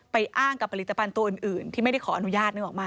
อ้างกับผลิตภัณฑ์ตัวอื่นที่ไม่ได้ขออนุญาตนึกออกมา